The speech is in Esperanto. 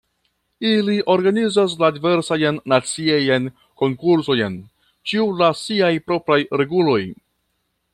Ili organizas la diversajn naciajn konkursojn, ĉiu laŭ siaj propraj reguloj.